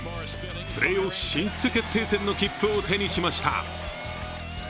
プレーオフ進出決定戦の切符を手にしました。